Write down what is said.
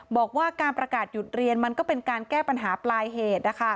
บอกว่าการประกาศหยุดเรียนมันก็เป็นการแก้ปัญหาปลายเหตุ